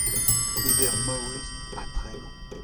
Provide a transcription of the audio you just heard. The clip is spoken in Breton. peder maouez ha tregont.